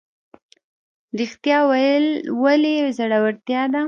ریښتیا ویل ولې زړورتیا ده؟